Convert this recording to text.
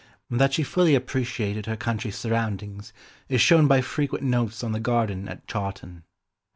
That she fully appreciated her country surroundings is shown by frequent notes on the garden at Chawton.